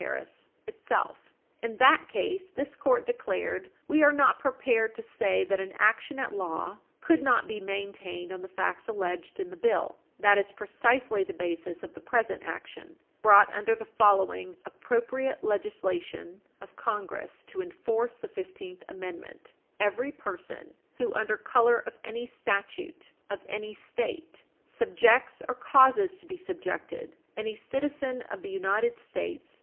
Harris itself. In that case, this Court declared "we are not prepared to say that an action at law could not be maintained on the facts alleged in the bill." 189 U.S. at 189 U. S. 485. That is precisely the basis of the present action, brought under the following "appropriate legislation" of Congress to enforce the Fifteenth Amendment: "Every person who, under color of any statute, ... of any State or Territory, subjects, or causes to be subjected, any citizen of the United States